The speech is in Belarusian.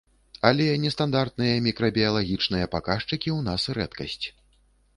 Але нестандартныя мікрабіялагічныя паказчыкі ў нас рэдкасць.